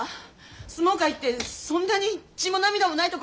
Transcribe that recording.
相撲界ってそんなに血も涙もないところだったんですか？